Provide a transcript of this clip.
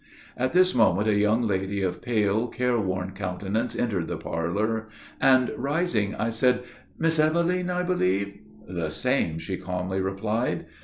At this moment, a young lady of pale, care worn countenance entered the parlor, and, rising, I said, "Miss Eveline , I believe?" "The same," she calmly replied.